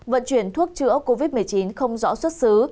vận chuyển thuốc chữa covid một mươi chín không rõ xuất xứ